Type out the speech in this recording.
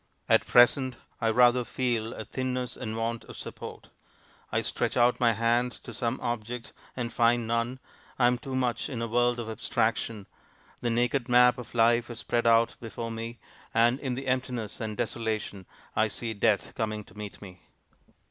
At present I rather feel a thinness and want of support, I stretch out my hand to some object and find none, I am too much in a world of abstraction; the naked map of life is spread out before me, and in the emptiness and desolation I see Death coming to meet me.